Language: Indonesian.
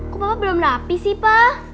kok papa belum rapi sih pa